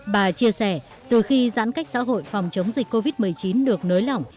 bà chia sẻ từ khi giãn cách xã hội phòng chống dịch covid một mươi chín được nới lỏng